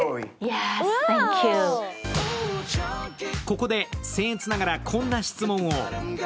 ここでせん越ながらこんな質問を。